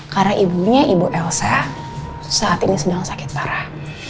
karena ibunya ibu elsa saat ini sedang sakit parah